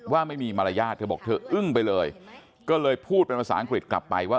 ว่าไม่มีมารยาทเธอบอกเธออึ้งไปเลยก็เลยพูดเป็นภาษาอังกฤษกลับไปว่า